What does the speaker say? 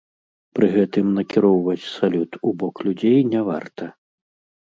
Пры гэтым накіроўваць салют у бок людзей не варта.